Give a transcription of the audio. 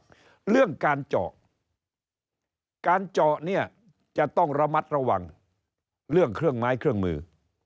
เรื่องการเจาะการเจาะเนี่ยจะต้องระมัดระวังเรื่องเครื่องไม้เครื่องมือ